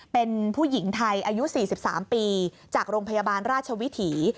เป็นผู้หญิงไทยอายุ๔๓ปีจากโรงพยาบาลราชวิถี